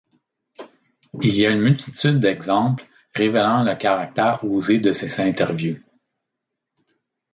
Il y a une multitude d’exemples révélant le caractère osé de ses interviews.